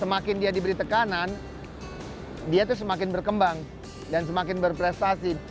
semakin dia diberi tekanan dia tuh semakin berkembang dan semakin berprestasi